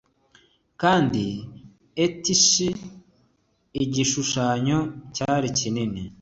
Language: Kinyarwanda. kandi etch-a-igishushanyo cyari kinini